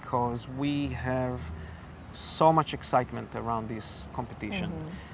karena kami memiliki banyak keuangan di sekitar perubahan ini